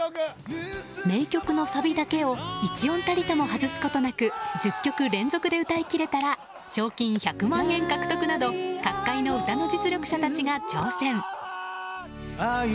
名曲のサビだけを一音たりとも外すことなく１０曲連続で歌いきれたら賞金１００万円獲得など各界の歌の実力者たちが挑戦。